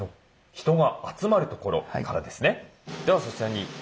人が集まる所からですね。